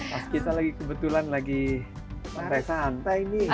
pas kita lagi kebetulan lagi mereka santai nih